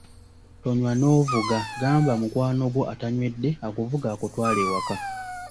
Tonywa n'ovuga gamba mukwano gwo atanywedde akuvuge akutwale ewaka.